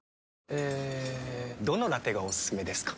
えどのラテがおすすめですか？